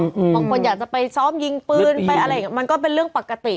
บางคนอยากจะไปซ้อมยิงปืนมันก็เป็นเรื่องปกติ